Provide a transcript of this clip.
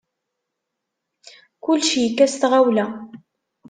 Kullec yekka s tɣawla.